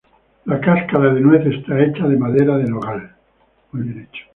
La cáscara de nuez esta hecha de madera de nogal.